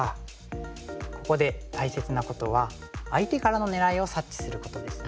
ここで大切なことは相手からの狙いを察知することですね。